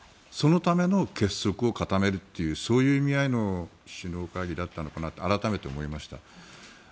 そのための結束を固めるというそういう意味合いの首脳会議だったのかなと改めて思いました。